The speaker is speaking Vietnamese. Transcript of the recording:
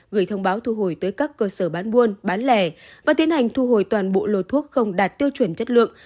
gửi thông báo thu hồi tới các cơ sở bán buôn bán lẻ và tiến hành thu hồi toàn bộ lô thuốc không đạt tiêu chuẩn chất lượng